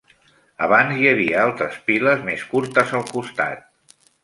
Abans hi havia altres piles més curtes al costat.